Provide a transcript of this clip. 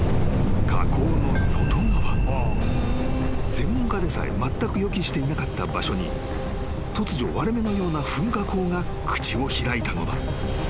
［専門家でさえまったく予期していなかった場所に突如割れ目のような噴火口が口を開いたのだ］